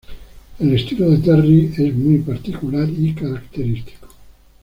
El estilo de Terry es muy particular y característico.